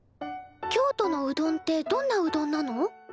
京都のうどんってどんなうどんなの？